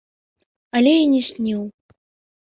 Але і не сніў.